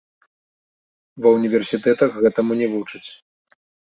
Ва ўніверсітэтах гэтаму не вучаць.